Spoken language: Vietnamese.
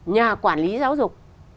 nhà quản lý giáo dục